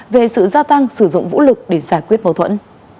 về sự gia tăng sử dụng vũ lực để giải quyết mâu thuẫn